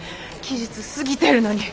期日過ぎてるのに。